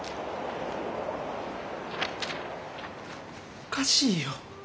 おかしいよ。